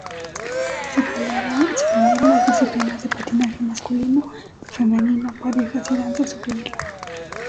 Se premiaron las disciplinas de patinaje masculino, femenino, parejas y danza sobre hielo.